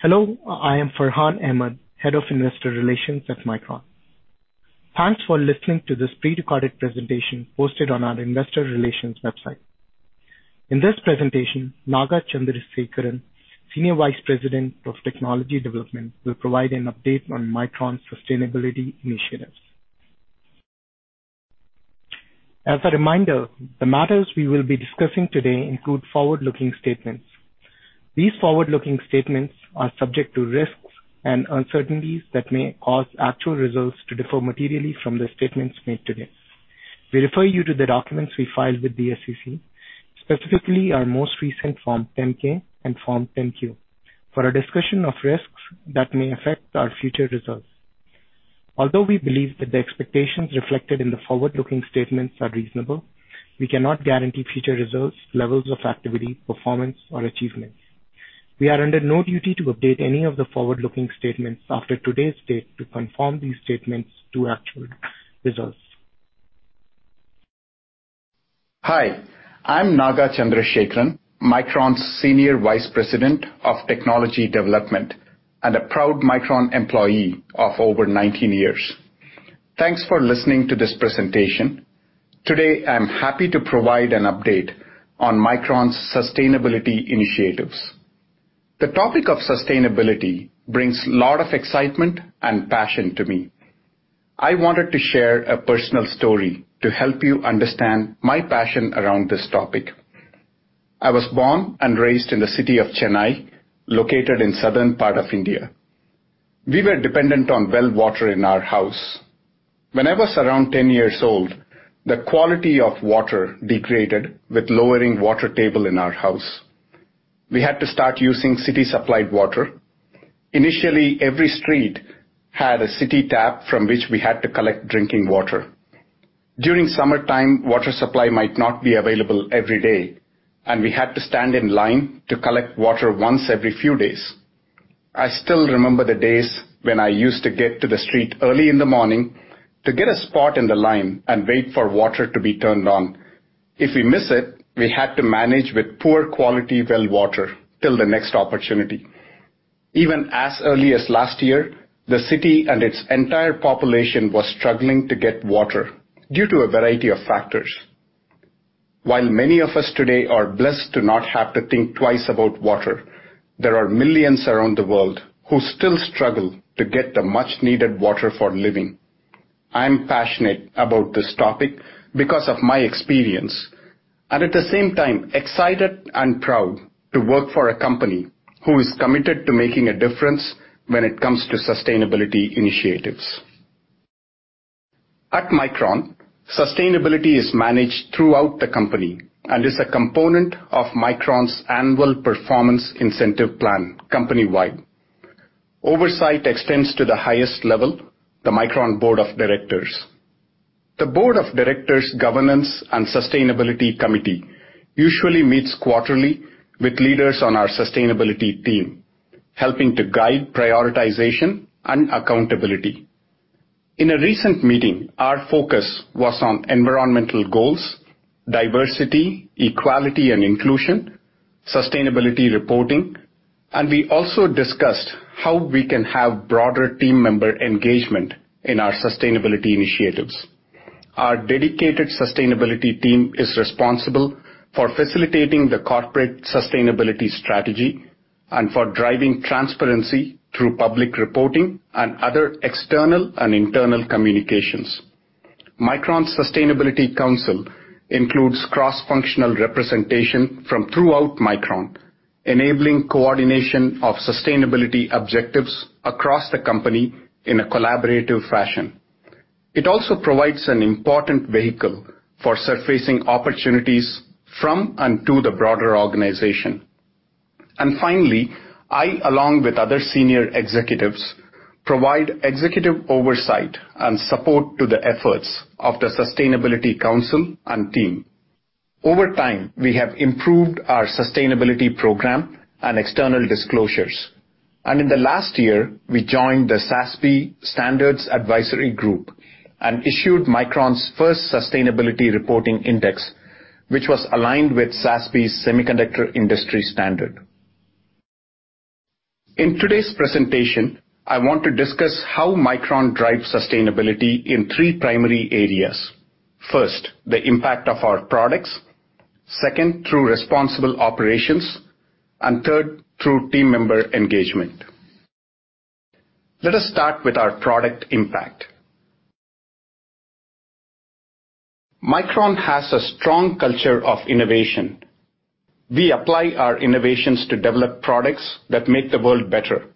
Hello, I am Farhan Ahmad, Head of Investor Relations at Micron. Thanks for listening to this prerecorded presentation posted on our investor relations website. In this presentation, Naga Chandrasekaran, Senior Vice President of Technology Development, will provide an update on Micron's sustainability initiatives. As a reminder, the matters we will be discussing today include forward-looking statements. These forward-looking statements are subject to risks and uncertainties that may cause actual results to differ materially from the statements made today. We refer you to the documents we filed with the SEC, specifically our most recent Form 10-K and Form 10-Q, for a discussion of risks that may affect our future results. Although we believe that the expectations reflected in the forward-looking statements are reasonable, we cannot guarantee future results, levels of activity, performance, or achievements. We are under no duty to update any of the forward-looking statements after today's date to conform these statements to actual results. Hi, I'm Naga Chandrasekaran, Micron's Senior Vice President of Technology Development and a proud Micron employee of over 19 years. Thanks for listening to this presentation. Today, I'm happy to provide an update on Micron's sustainability initiatives. The topic of sustainability brings a lot of excitement and passion to me. I wanted to share a personal story to help you understand my passion around this topic. I was born and raised in the city of Chennai, located in southern part of India. We were dependent on well water in our house. When I was around 10 years old, the quality of water degraded with lowering water table in our house. We had to start using city-supplied water. Initially, every street had a city tap from which we had to collect drinking water. During summertime, water supply might not be available every day, and we had to stand in line to collect water once every few days. I still remember the days when I used to get to the street early in the morning to get a spot in the line and wait for water to be turned on. If we miss it, we had to manage with poor quality well water till the next opportunity. Even as early as last year, the city and its entire population was struggling to get water due to a variety of factors. While many of us today are blessed to not have to think twice about water, there are millions around the world who still struggle to get the much-needed water for living. I'm passionate about this topic because of my experience, and at the same time, excited and proud to work for a company who is committed to making a difference when it comes to sustainability initiatives. At Micron, sustainability is managed throughout the company and is a component of Micron's annual performance incentive plan companywide. Oversight extends to the highest level, the Micron Board of Directors. The Board of Directors' Governance and Sustainability Committee usually meets quarterly with leaders on our sustainability team, helping to guide prioritization and accountability. In a recent meeting, our focus was on environmental goals, diversity, equality and inclusion, sustainability reporting, and we also discussed how we can have broader team member engagement in our sustainability initiatives. Our dedicated sustainability team is responsible for facilitating the corporate sustainability strategy and for driving transparency through public reporting and other external and internal communications. Micron Sustainability Council includes cross-functional representation from throughout Micron, enabling coordination of sustainability objectives across the company in a collaborative fashion. It also provides an important vehicle for surfacing opportunities from and to the broader organization. Finally, I, along with other senior executives, provide executive oversight and support to the efforts of the sustainability council and team. Over time, we have improved our sustainability program and external disclosures, and in the last year, we joined the SASB Standards Advisory Group and issued Micron's first sustainability reporting index, which was aligned with SASB's semiconductor industry standard. In today's presentation, I want to discuss how Micron drives sustainability in three primary areas. First, the impact of our products. Second, through responsible operations. Third, through team member engagement. Let us start with our product impact. Micron has a strong culture of innovation. We apply our innovations to develop products that make the world better,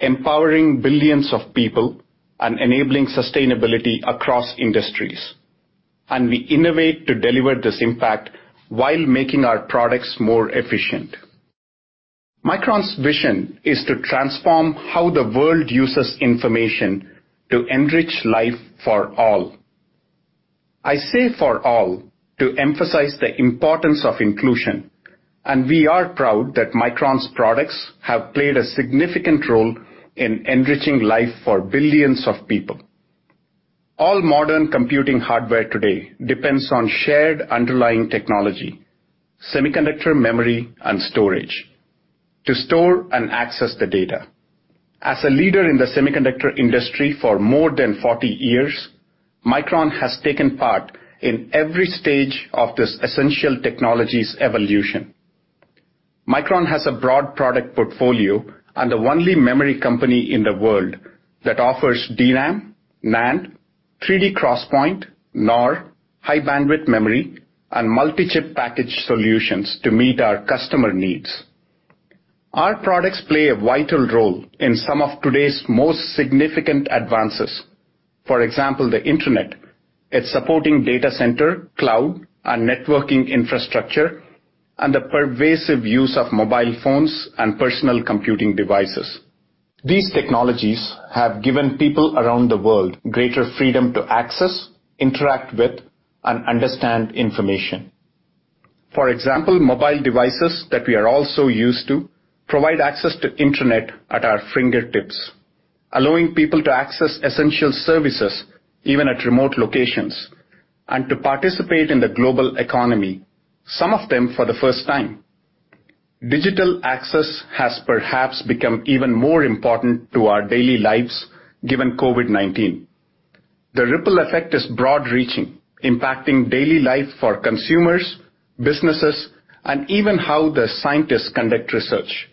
empowering billions of people and enabling sustainability across industries. We innovate to deliver this impact while making our products more efficient. Micron's vision is to transform how the world uses information to enrich life for all. I say for all to emphasize the importance of inclusion. We are proud that Micron's products have played a significant role in enriching life for billions of people. All modern computing hardware today depends on shared underlying technology, semiconductor memory, and storage to store and access the data. As a leader in the semiconductor industry for more than 40 years, Micron has taken part in every stage of this essential technology's evolution. Micron has a broad product portfolio and the only memory company in the world that offers DRAM, NAND, 3D XPoint, NOR, High-Bandwidth Memory, and Multi-Chip Package solutions to meet our customer needs. Our products play a vital role in some of today's most significant advances. For example, the Internet, its supporting data center, cloud, and networking infrastructure, and the pervasive use of mobile phones and personal computing devices. These technologies have given people around the world greater freedom to access, interact with, and understand information. For example, mobile devices that we are all so used to provide access to Internet at our fingertips, allowing people to access essential services even at remote locations, and to participate in the global economy, some of them for the first time. Digital access has perhaps become even more important to our daily lives given COVID-19. The ripple effect is broad reaching, impacting daily life for consumers, businesses, and even how the scientists conduct research.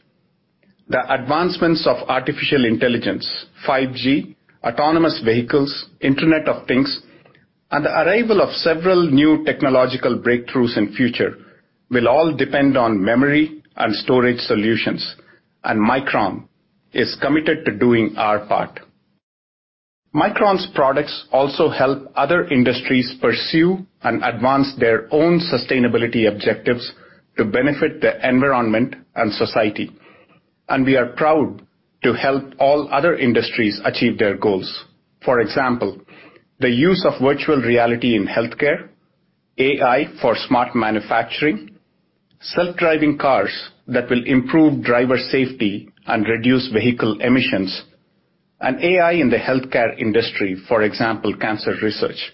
The advancements of artificial intelligence, 5G, autonomous vehicles, Internet of Things, and the arrival of several new technological breakthroughs in future will all depend on memory and storage solutions, and Micron is committed to doing our part. Micron's products also help other industries pursue and advance their own sustainability objectives to benefit the environment and society, and we are proud to help all other industries achieve their goals. For example, the use of virtual reality in healthcare, AI for smart manufacturing, self-driving cars that will improve driver safety and reduce vehicle emissions, and AI in the healthcare industry, for example, cancer research.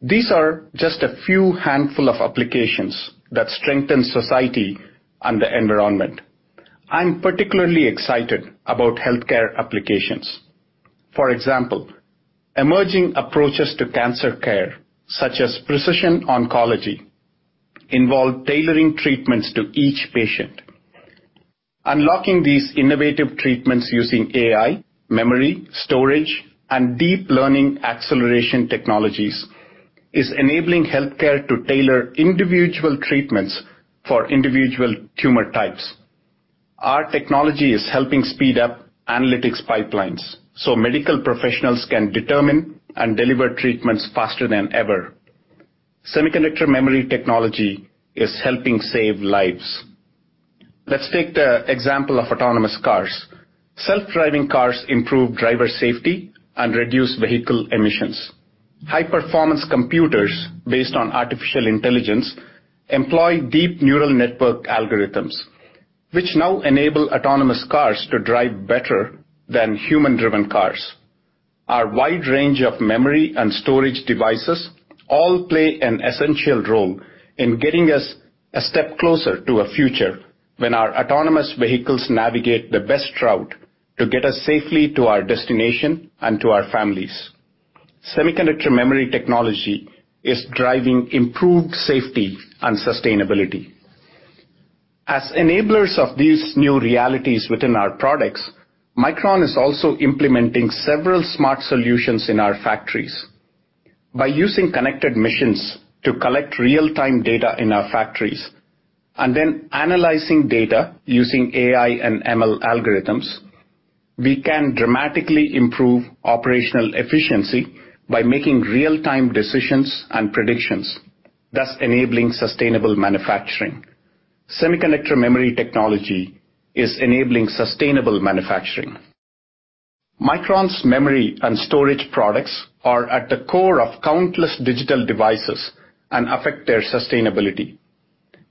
These are just a few handful of applications that strengthen society and the environment. I'm particularly excited about healthcare applications. For example, emerging approaches to cancer care, such as precision oncology, involve tailoring treatments to each patient. Unlocking these innovative treatments using AI, memory, storage, and deep learning acceleration technologies is enabling healthcare to tailor individual treatments for individual tumor types. Our technology is helping speed up analytics pipelines so medical professionals can determine and deliver treatments faster than ever. Semiconductor memory technology is helping save lives. Let's take the example of autonomous cars. Self-driving cars improve driver safety and reduce vehicle emissions. High-performance computers based on artificial intelligence employ deep neural network algorithms, which now enable autonomous cars to drive better than human-driven cars. Our wide range of memory and storage devices all play an essential role in getting us a step closer to a future when our autonomous vehicles navigate the best route to get us safely to our destination and to our families. Semiconductor memory technology is driving improved safety and sustainability. As enablers of these new realities within our products, Micron is also implementing several smart solutions in our factories. By using connected machines to collect real-time data in our factories, and then analyzing data using AI and ML algorithms, we can dramatically improve operational efficiency by making real-time decisions and predictions, thus enabling sustainable manufacturing. Semiconductor memory technology is enabling sustainable manufacturing. Micron's memory and storage products are at the core of countless digital devices and affect their sustainability.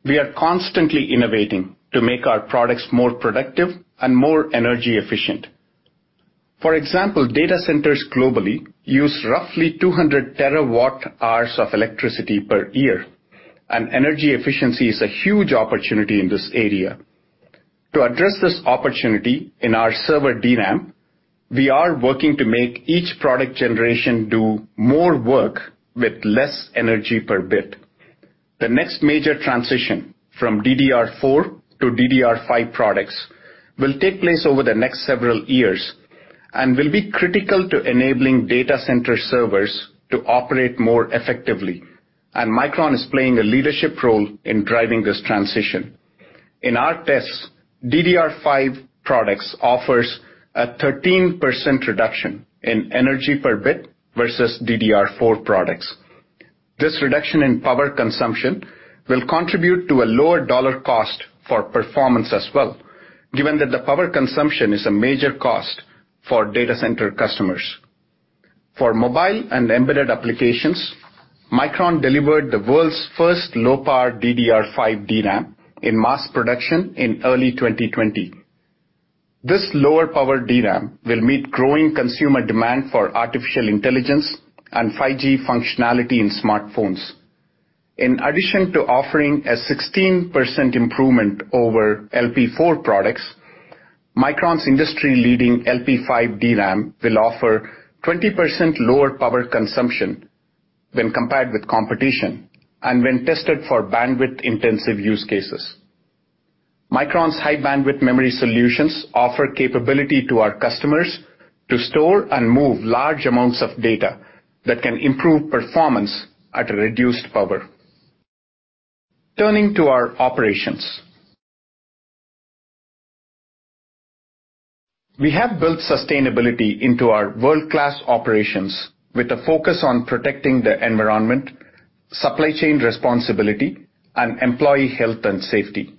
We are constantly innovating to make our products more productive and more energy efficient. For example, data centers globally use roughly 200 TWh of electricity per year, and energy efficiency is a huge opportunity in this area. To address this opportunity in our server DRAM, we are working to make each product generation do more work with less energy per bit. The next major transition from DDR4-DDR5 products will take place over the next several years and will be critical to enabling data center servers to operate more effectively, and Micron is playing a leadership role in driving this transition. In our tests, DDR5 products offers a 13% reduction in energy per bit versus DDR4 products. This reduction in power consumption will contribute to a lower dollar cost for performance as well, given that the power consumption is a major cost for data center customers. For mobile and embedded applications, Micron delivered the world's first low power DDR5 DRAM in mass production in early 2020. This lower power DRAM will meet growing consumer demand for artificial intelligence and 5G functionality in smartphones. In addition to offering a 16% improvement over LPDDR4 products, Micron's industry-leading LPDDR5 DRAM will offer 20% lower power consumption when compared with competition and when tested for bandwidth-intensive use cases. Micron's High-Bandwidth Memory solutions offer capability to our customers to store and move large amounts of data that can improve performance at a reduced power. Turning to our operations. We have built sustainability into our world-class operations with a focus on protecting the environment, supply chain responsibility, and employee health and safety.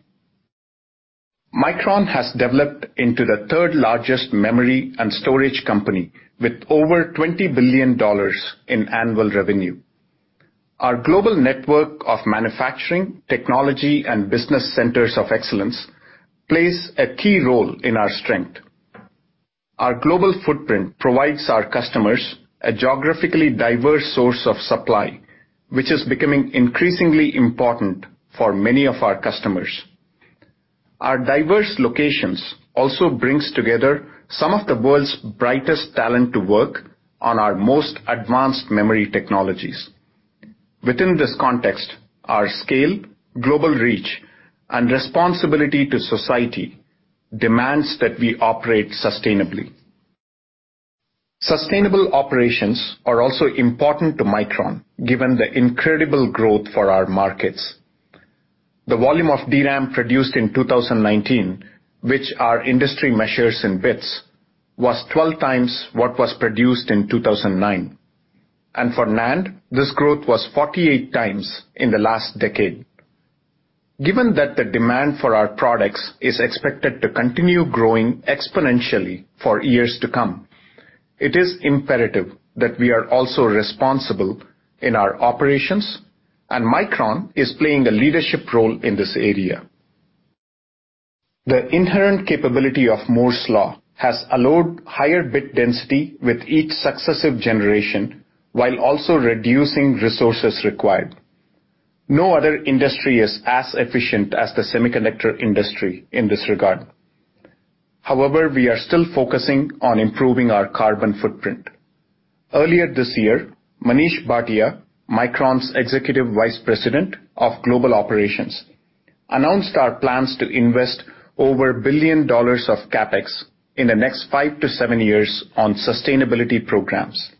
Micron has developed into the third largest memory and storage company with over $20 billion in annual revenue. Our global network of manufacturing, technology, and business centers of excellence plays a key role in our strength. Our global footprint provides our customers a geographically diverse source of supply, which is becoming increasingly important for many of our customers. Our diverse locations also brings together some of the world's brightest talent to work on our most advanced memory technologies. Within this context, our scale, global reach, and responsibility to society demands that we operate sustainably. Sustainable operations are also important to Micron, given the incredible growth for our markets. The volume of DRAM produced in 2019, which our industry measures in bits, was 12x what was produced in 2009. For NAND, this growth was 48x in the last decade. Given that the demand for our products is expected to continue growing exponentially for years to come, it is imperative that we are also responsible in our operations, and Micron is playing a leadership role in this area. The inherent capability of Moore's Law has allowed higher bit density with each successive generation while also reducing resources required. No other industry is as efficient as the semiconductor industry in this regard. However, we are still focusing on improving our carbon footprint. Earlier this year, Manish Bhatia, Micron's Executive Vice President of Global Operations, announced our plans to invest over $1 billion of CapEx in the next five to seven years on sustainability programs.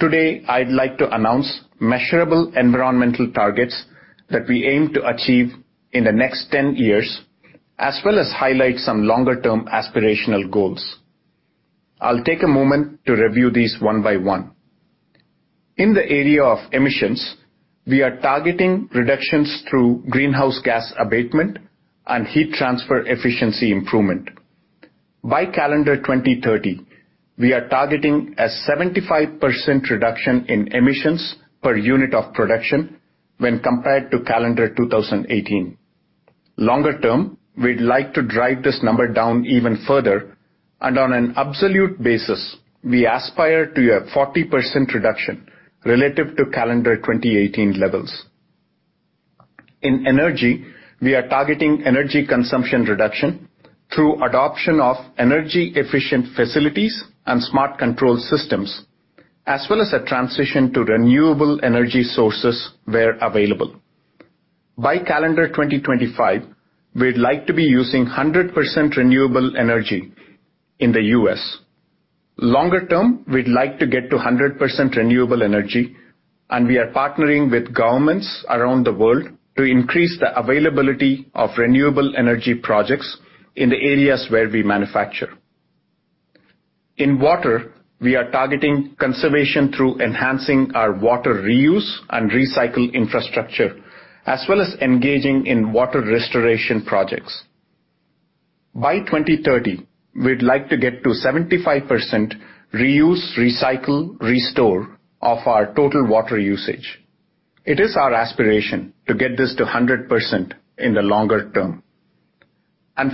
Today, I'd like to announce measurable environmental targets that we aim to achieve in the next 10 years, as well as highlight some longer-term aspirational goals. I'll take a moment to review these one by one. In the area of emissions, we are targeting reductions through greenhouse gas abatement and heat transfer efficiency improvement. By calendar 2030, we are targeting a 75% reduction in emissions per unit of production when compared to calendar 2018. Longer term, we'd like to drive this number down even further, and on an absolute basis, we aspire to a 40% reduction relative to calendar 2018 levels. In energy, we are targeting energy consumption reduction through adoption of energy efficient facilities and smart control systems, as well as a transition to renewable energy sources where available. By calendar 2025, we'd like to be using 100% renewable energy in the U.S. longer term, we'd like to get to 100% renewable energy, and we are partnering with governments around the world to increase the availability of renewable energy projects in the areas where we manufacture. In water, we are targeting conservation through enhancing our water reuse and recycle infrastructure, as well as engaging in water restoration projects. By 2030, we'd like to get to 75% reuse, recycle, restore of our total water usage. It is our aspiration to get this to 100% in the longer term.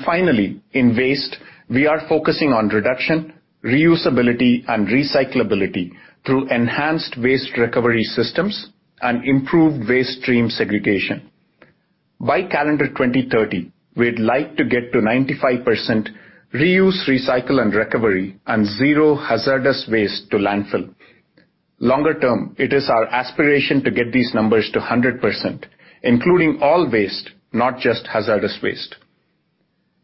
Finally, in waste, we are focusing on reduction, reusability, and recyclability through enhanced waste recovery systems and improved waste stream segregation. By calendar 2030, we'd like to get to 95% reuse, recycle, and recovery and zero hazardous waste to landfill. Longer term, it is our aspiration to get these numbers to 100%, including all waste, not just hazardous waste.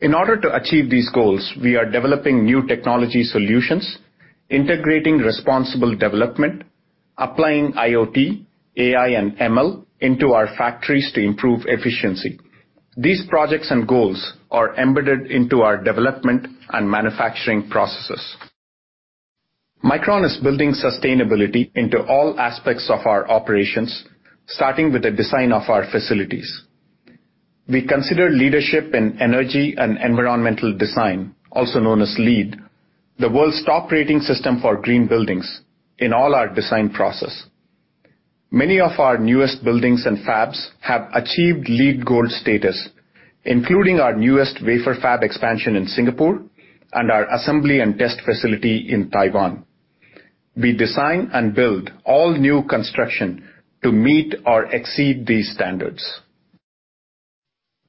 In order to achieve these goals, we are developing new technology solutions, integrating responsible development, applying IoT, AI, and ML into our factories to improve efficiency. These projects and goals are embedded into our development and manufacturing processes. Micron is building sustainability into all aspects of our operations, starting with the design of our facilities. We consider leadership in energy and environmental design, also known as LEED, the world's top rating system for green buildings in all our design process. Many of our newest buildings and fabs have achieved LEED Gold status, including our newest wafer fab expansion in Singapore and our assembly and test facility in Taiwan. We design and build all new construction to meet or exceed these standards.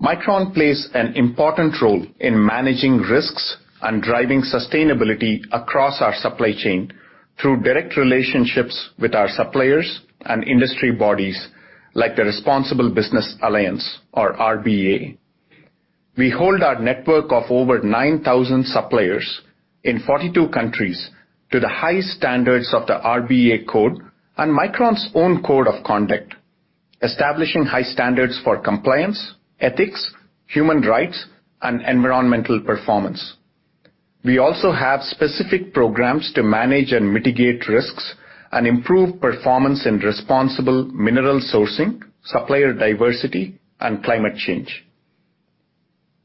Micron plays an important role in managing risks and driving sustainability across our supply chain through direct relationships with our suppliers and industry bodies like the Responsible Business Alliance, or RBA. We hold our network of over 9,000 suppliers in 42 countries to the high standards of the RBA code and Micron's own code of conduct, establishing high standards for compliance, ethics, human rights, and environmental performance. We also have specific programs to manage and mitigate risks and improve performance in responsible mineral sourcing, supplier diversity, and climate change.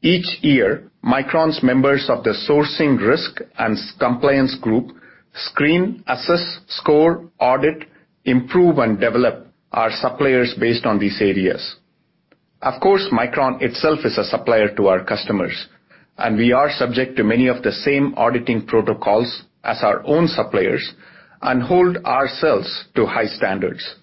Each year, Micron's members of the sourcing risk and compliance group screen, assess, score, audit, improve, and develop our suppliers based on these areas. Micron itself is a supplier to our customers, and we are subject to many of the same auditing protocols as our own suppliers and hold ourselves to high standards.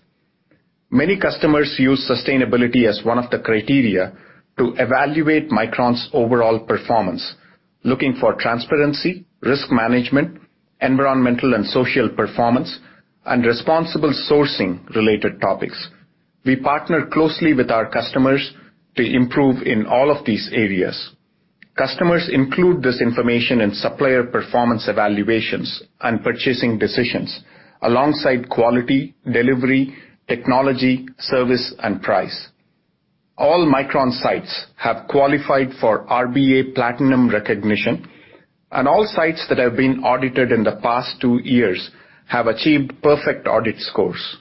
Many customers use sustainability as one of the criteria to evaluate Micron's overall performance, looking for transparency, risk management, environmental and social performance, and responsible sourcing related topics. We partner closely with our customers to improve in all of these areas. Customers include this information in supplier performance evaluations and purchasing decisions alongside quality, delivery, technology, service, and price. All Micron sites have qualified for RBA platinum recognition, and all sites that have been audited in the past two years have achieved perfect audit scores.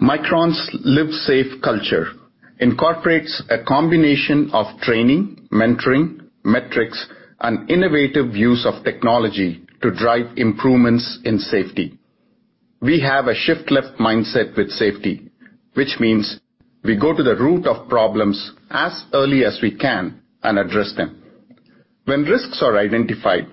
Micron's Live Safe culture incorporates a combination of training, mentoring, metrics, and innovative use of technology to drive improvements in safety. We have a shift left mindset with safety, which means we go to the root of problems as early as we can and address them. When risks are identified,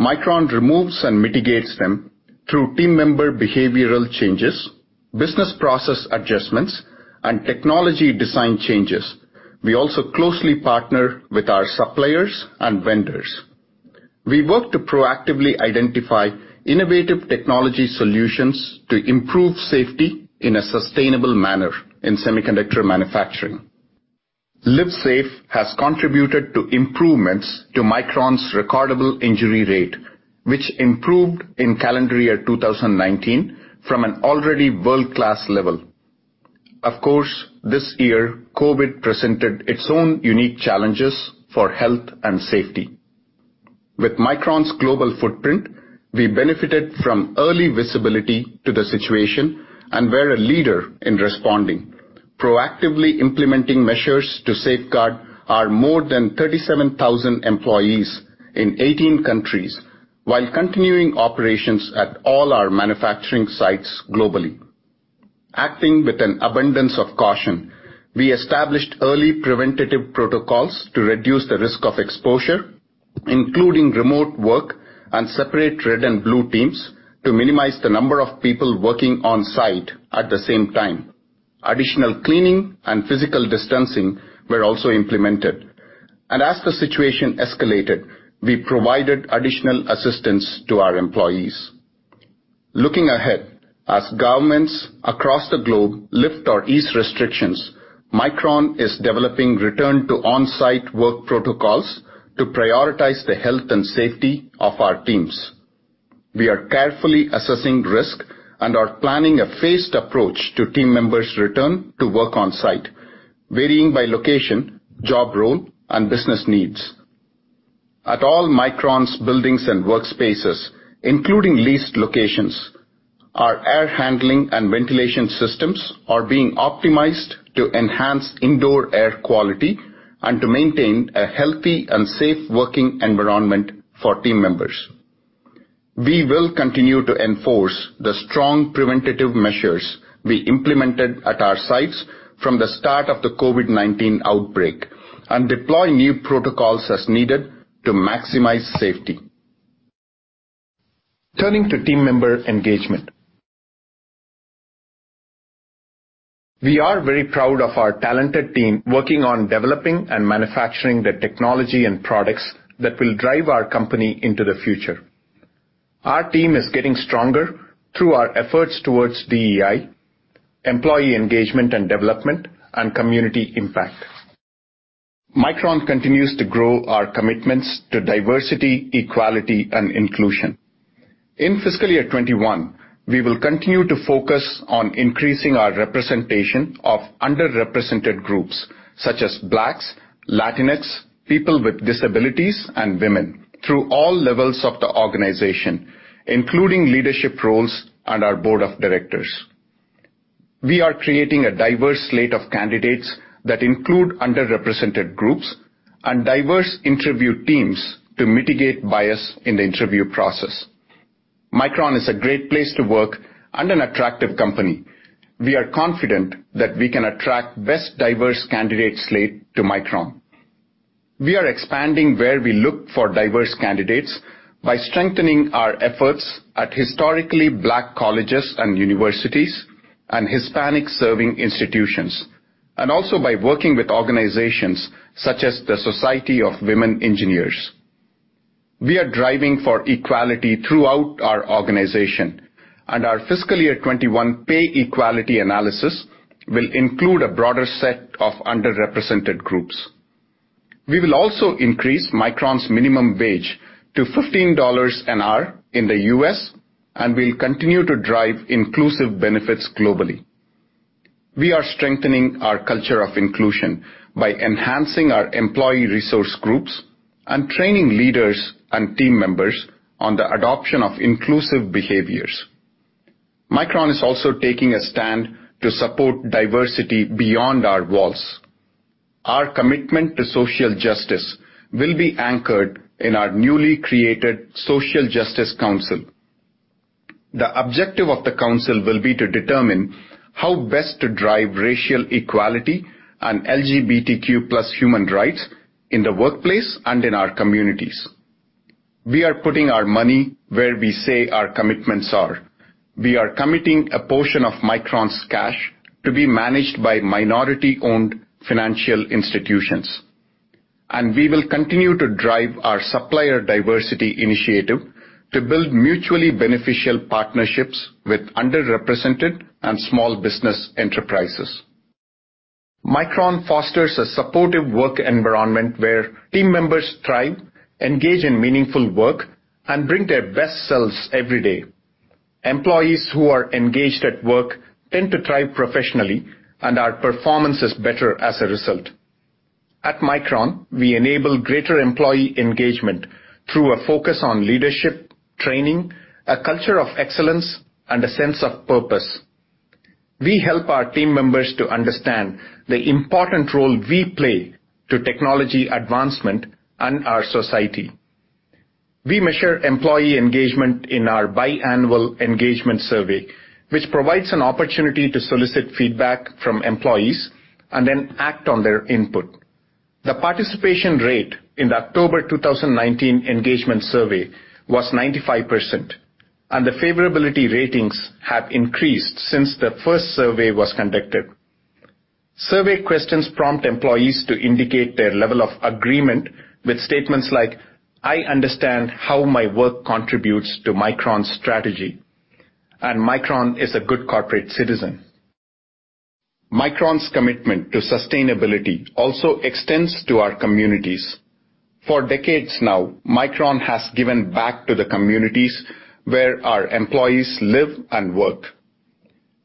Micron removes and mitigates them through team member behavioral changes, business process adjustments, and technology design changes. We also closely partner with our suppliers and vendors. We work to proactively identify innovative technology solutions to improve safety in a sustainable manner in semiconductor manufacturing. Live Safe has contributed to improvements to Micron's recordable injury rate, which improved in calendar year 2019 from an already world-class level. This year, COVID presented its own unique challenges for health and safety. With Micron's global footprint, we benefited from early visibility to the situation and were a leader in responding, proactively implementing measures to safeguard our more than 37,000 employees in 18 countries while continuing operations at all our manufacturing sites globally. Acting with an abundance of caution, we established early preventative protocols to reduce the risk of exposure, including remote work and separate red and blue teams to minimize the number of people working on-site at the same time. Additional cleaning and physical distancing were also implemented. As the situation escalated, we provided additional assistance to our employees. Looking ahead, as governments across the globe lift or ease restrictions, Micron is developing return to on-site work protocols to prioritize the health and safety of our teams. We are carefully assessing risk and are planning a phased approach to team members' return to work on-site, varying by location, job role, and business needs. At all Micron's buildings and workspaces, including leased locations, our air handling and ventilation systems are being optimized to enhance indoor air quality and to maintain a healthy and safe working environment for team members. We will continue to enforce the strong preventative measures we implemented at our sites from the start of the COVID-19 outbreak and deploy new protocols as needed to maximize safety. Turning to team member engagement. We are very proud of our talented team working on developing and manufacturing the technology and products that will drive our company into the future. Our team is getting stronger through our efforts towards DEI, employee engagement and development, and community impact. Micron continues to grow our commitments to diversity, equality, and inclusion. In fiscal year 2021, we will continue to focus on increasing our representation of underrepresented groups such as Blacks, Latinx, people with disabilities, and women through all levels of the organization, including leadership roles and our board of directors. We are creating a diverse slate of candidates that include underrepresented groups and diverse interview teams to mitigate bias in the interview process. Micron is a great place to work and an attractive company. We are confident that we can attract best diverse candidate slate to Micron. We are expanding where we look for diverse candidates by strengthening our efforts at historically Black colleges and universities and Hispanic-serving institutions, and also by working with organizations such as the Society of Women Engineers. We are driving for equality throughout our organization, and our fiscal year 2021 pay equality analysis will include a broader set of underrepresented groups. We will also increase Micron's minimum wage to $15 an hour in the U.S. We'll continue to drive inclusive benefits globally. We are strengthening our culture of inclusion by enhancing our employee resource groups and training leaders and team members on the adoption of inclusive behaviors. Micron is also taking a stand to support diversity beyond our walls. Our commitment to social justice will be anchored in our newly created Social Justice Council. The objective of the council will be to determine how best to drive racial equality and LGBTQ+ human rights in the workplace and in our communities. We are putting our money where we say our commitments are. We are committing a portion of Micron's cash to be managed by minority-owned financial institutions. We will continue to drive our Supplier Diversity Initiative to build mutually beneficial partnerships with underrepresented and small business enterprises. Micron fosters a supportive work environment where team members thrive, engage in meaningful work, and bring their best selves every day. Employees who are engaged at work tend to thrive professionally and our performance is better as a result. At Micron, we enable greater employee engagement through a focus on leadership, training, a culture of excellence, and a sense of purpose. We help our team members to understand the important role we play to technology advancement and our society. We measure employee engagement in our biannual engagement survey, which provides an opportunity to solicit feedback from employees and then act on their input. The participation rate in the October 2019 engagement survey was 95%, and the favorability ratings have increased since the first survey was conducted. Survey questions prompt employees to indicate their level of agreement with statements like, "I understand how my work contributes to Micron's strategy," and, "Micron is a good corporate citizen." Micron's commitment to sustainability also extends to our communities. For decades now, Micron has given back to the communities where our employees live and work.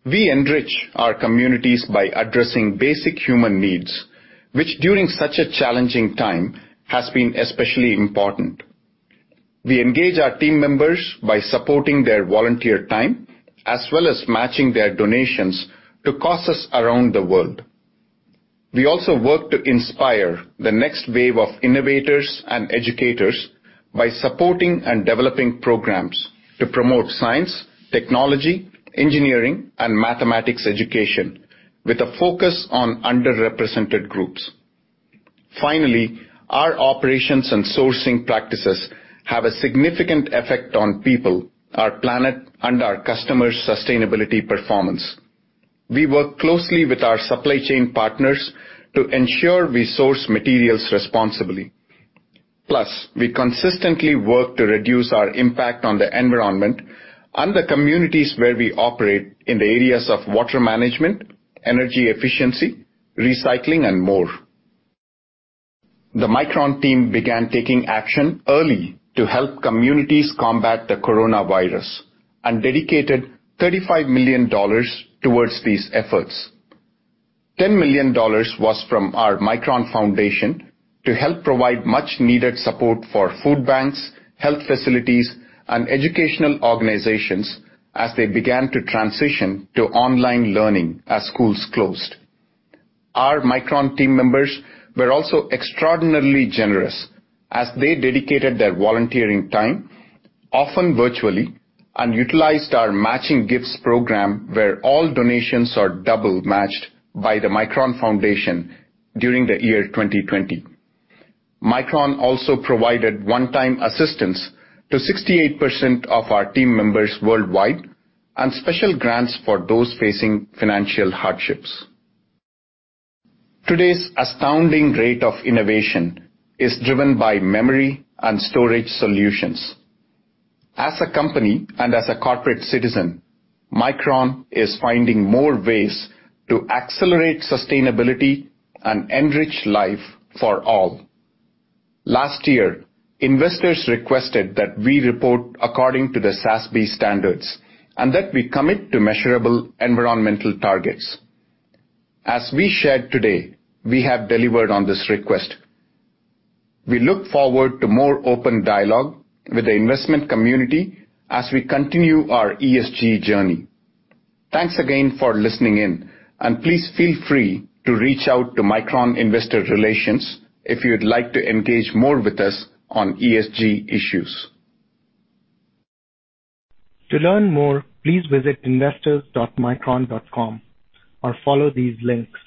We enrich our communities by addressing basic human needs, which during such a challenging time, has been especially important. We engage our team members by supporting their volunteer time, as well as matching their donations to causes around the world. We also work to inspire the next wave of innovators and educators by supporting and developing programs to promote science, technology, engineering, and mathematics education with a focus on underrepresented groups. Finally, our operations and sourcing practices have a significant effect on people, our planet, and our customers' sustainability performance. We work closely with our supply chain partners to ensure we source materials responsibly. Plus, we consistently work to reduce our impact on the environment and the communities where we operate in the areas of water management, energy efficiency, recycling, and more. The Micron team began taking action early to help communities combat the coronavirus and dedicated $35 million towards these efforts. $10 million was from our Micron Foundation to help provide much needed support for food banks, health facilities, and educational organizations as they began to transition to online learning as schools closed. Our Micron team members were also extraordinarily generous as they dedicated their volunteering time, often virtually, and utilized our matching gifts program, where all donations are double matched by the Micron Foundation during the year 2020. Micron also provided one-time assistance to 68% of our team members worldwide and special grants for those facing financial hardships. Today's astounding rate of innovation is driven by memory and storage solutions. As a company and as a corporate citizen, Micron is finding more ways to accelerate sustainability and enrich life for all. Last year, investors requested that we report according to the SASB standards and that we commit to measurable environmental targets. As we shared today, we have delivered on this request. We look forward to more open dialogue with the investment community as we continue our ESG journey. Thanks again for listening in, and please feel free to reach out to Micron investor relations if you'd like to engage more with us on ESG issues. To learn more, please visit investors.micron.com or follow these links.